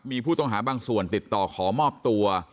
มีผู้ต้องหาบางส่วนติดต่อขอมอบตัว